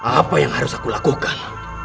apa yang harus aku lakukan